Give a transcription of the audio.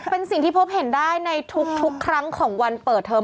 เป็นสิ่งที่พบเห็นได้ในทุกครั้งของวันเปิดเทอม